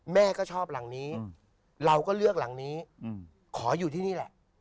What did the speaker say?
แม่ก็ชอบหลังนี้เราก็เลือกหลังนี้ขออยู่ที่นี่แหละ